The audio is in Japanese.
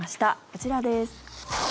こちらです。